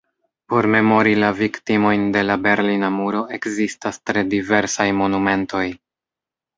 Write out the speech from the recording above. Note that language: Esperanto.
Por memori la viktimojn de la berlina muro ekzistas tre diversaj monumentoj.